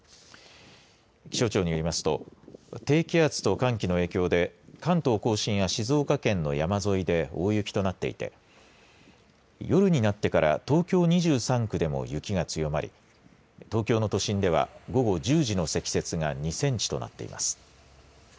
気象庁によりますと低気圧と寒気の影響で関東甲信や静岡県の山沿いで大雪となっていて夜になってから東京２３区でも雪が強まり、東京の都心では午後１０時の積雪が２センチとなっています。